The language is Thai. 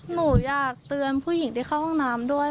หนูอยากเตือนผู้หญิงที่เข้าห้องน้ำด้วย